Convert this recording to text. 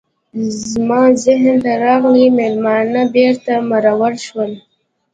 زما ذهن ته راغلي میلمانه بیرته مرور شول.